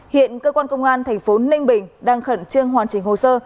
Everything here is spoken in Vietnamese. hiện cơ quan công an thành phố ninh bình đang khẩn trương hoàn chỉnh hồ sơ